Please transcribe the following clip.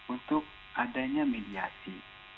untuk adanya mediasi